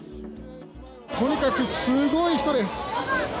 とにかくすごい人です。